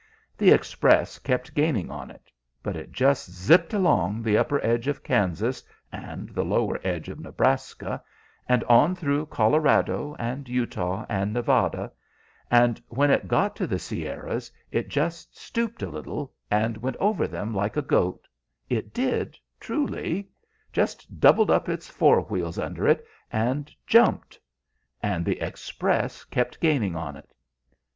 The Express kept gaining on it. But it just zipped along the upper edge of Kansas and the lower edge of Nebraska, and on through Colorado and Utah and Nevada, and when it got to the Sierras it just stooped a little, and went over them like a goat; it did, truly; just doubled up its fore wheels under it, and jumped. And the Express kept gaining on it.